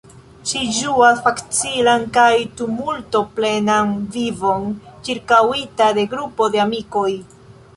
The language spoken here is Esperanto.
Ŝi ĝuas facilan kaj tumulto-plenan vivon, ĉirkaŭita de grupo de amikoj.